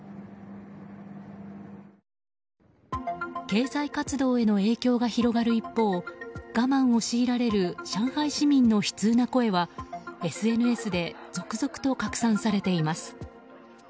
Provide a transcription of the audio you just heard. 経済活動への影響が広がる一方我慢を強いられる上海市民の悲痛な声はＳＮＳで続々と拡散されています。